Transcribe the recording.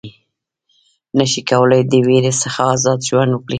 نه شي کولای د وېرې څخه آزاد ژوند وکړي.